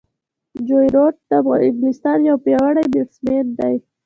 جو روټ د انګلستان یو پیاوړی بیټسمېن دئ.